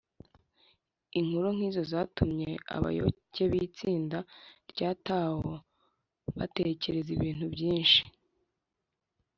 inkuru nk’izo zatumye abayoboke b’itsinda rya tao batekereza ibintu byinshi